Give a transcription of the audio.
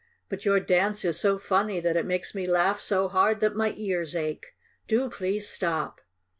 "But your dance is so funny that it makes me laugh so hard that my ears ache! Do please stop!"